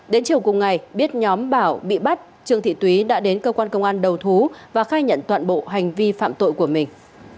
đến chiều cùng ngày biết nhóm bảo bị bắt trương thị túy đã đến cơ quan công an đầu thú và khai nhận toàn bộ hành vi phạm tội của mình